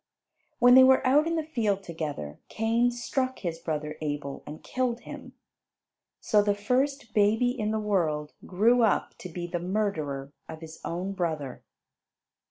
When they were out in the field together Cain struck his brother Abel and killed him. So the first baby in the world grew up to be the murderer of his own brother.